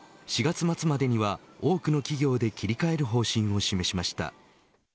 ４月末までには多くの企業で切り替える方針を示しました。